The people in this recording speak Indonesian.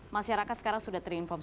masyarakat sekarang sudah terinformasi